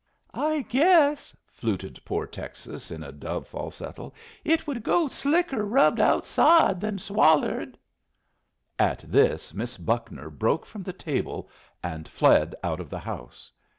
"I guess," fluted poor Texas, in a dove falsetto, "it would go slicker rubbed outside than swallered." At this Miss Buckner broke from the table and fled out of the house.